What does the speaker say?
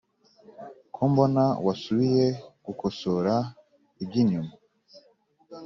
Kombona wasubiye gukosora ibyinyuma